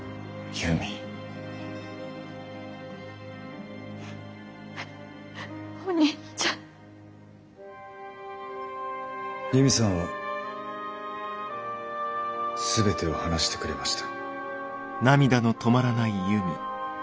悠美さんは全てを話してくれました。